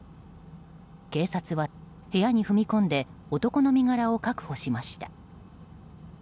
警察は部屋に踏み込んで男の身柄を確保しました。